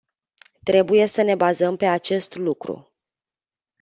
Trebuie să ne bazăm pe acest lucru.